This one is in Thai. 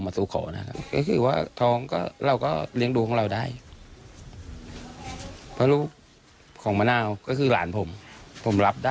อย่างการแต่งงานเนี่ยเราได้มีการแบบว่าเซ็นกันบ้างไหมครับ